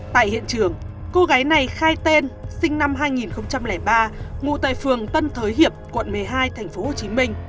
tại hiện trường cô gái này khai tên sinh năm hai nghìn ba ngụ tại phường tân thới hiệp quận một mươi hai tp hcm